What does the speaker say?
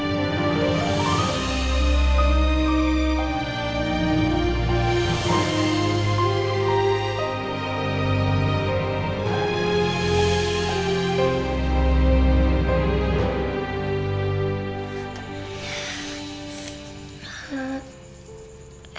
juga dirwegir ke rumah